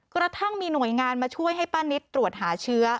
กระทั่งมีหน่วยงานมาช่วยให้ป้านิตตรวจหาเชื้อ